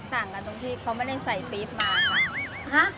ต่างกันตรงที่เขาไม่ได้ใส่ปี๊บมาค่ะ